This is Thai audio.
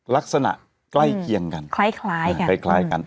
ลักษณะใกล้เคียงกันคล้ายกันคล้ายกัน